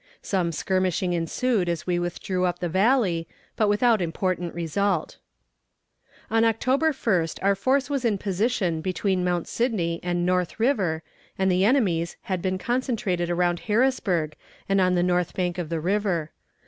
Some skirmishing ensued as we withdrew up the Valley, but without important result. On October 1st our force was in position between Mount Sidney and North River, and the enemy's had been concentrated around Harrisonburg and on the north bank of the river.